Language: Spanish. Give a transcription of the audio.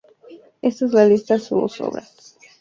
Este es la lista su obras-